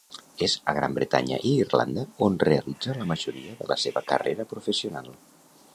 És a Gran Bretanya i Irlanda on realitza la majoria de la seva carrera professional.